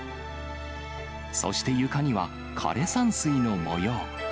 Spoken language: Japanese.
そして床には、枯れ山水の模様。